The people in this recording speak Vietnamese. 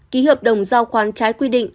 ký hợp đồng giao khoán trái quy định